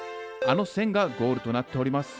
あの線がゴールとなっております。